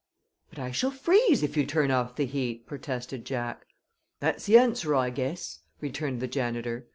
'" "But I shall freeze if you turn off the heat," protested Jack. "That's the answer, I guess," returned the janitor.